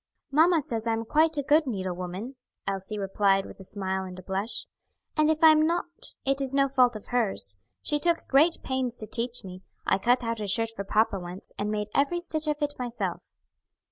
"Mamma says I am quite a good needle woman," Elsie replied with a smile and a blush, "and if I am not it is no fault of hers. She took great pains to teach me. I cut out a shirt for papa once, and made every stitch of it myself."